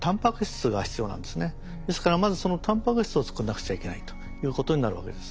ですからまずそのタンパク質を作らなくちゃいけないということになるわけです。